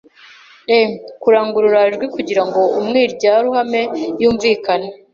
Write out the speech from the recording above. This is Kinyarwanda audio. e Kurangurura ijwi kugira ngo imwirwaruhame yumvikane